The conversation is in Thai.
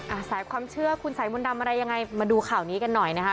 สายความเชื่อคุณสายมนต์ดำอะไรยังไงมาดูข่าวนี้กันหน่อยนะคะ